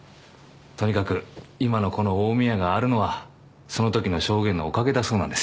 とにかく今のこの近江屋があるのはそのときの証言のおかげだそうなんですよ。